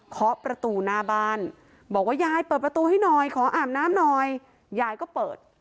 เคาะประตูหน้าบ้านบอกว่ายายเปิดประตูให้หน่อยขออาบน้ำหน่อยยายก็เปิด